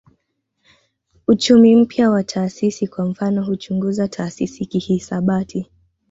Uchumi mpya wa taasisi kwa mfano huchunguza taasisi kihisabati